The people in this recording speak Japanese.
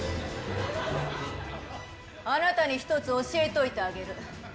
あなたに１つ教えといてあげる。